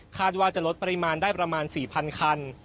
ว่าจะลดปริมาณได้ประมาณ๔๐๐คัน